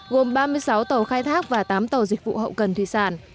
gồm ba mươi sáu tàu khai thác và tám tàu dịch vụ hậu cần thủy sản